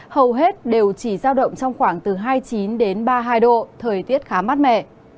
hầu hết đều chỉ giao động trong khoảng từ hai mươi chín đến ba mươi hai độ thời tiết khá mát mẻ